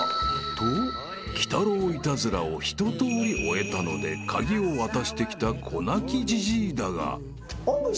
［と鬼太郎イタズラをひととおり終えたので鍵を渡してきた子泣きじじいだが］